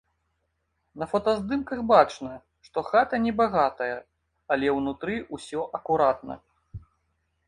На фотаздымках бачна, што хата небагатая, але ўнутры ўсё акуратна.